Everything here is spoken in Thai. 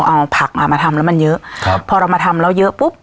เอาผักมามาทำแล้วมันเยอะครับพอเรามาทำแล้วเยอะปุ๊บ